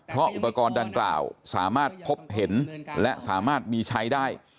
เพราะอุปกรณ์ดังกล่าวสามารถพบเห็นและสามารถมีใช้ได้